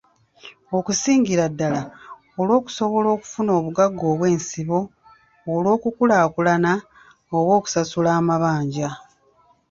Okusingira ddala olw'okusobola okufuna obugagga obw'ensibo olw'okukulaakulana oba okusasula amabanja.